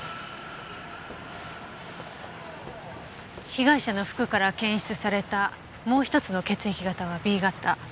被害者の服から検出されたもうひとつの血液型はＢ型。